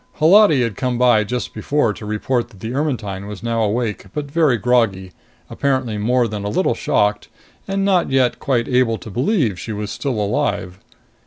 Holati had come by just before to report that the Ermetyne was now awake but very groggy, apparently more than a little shocked, and not yet quite able to believe she was still alive.